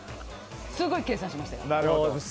すごい計算しましたよ。